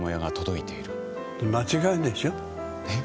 間違いでしょ？え？